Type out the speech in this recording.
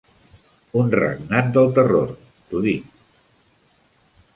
Un regnat del terror, t'ho dic.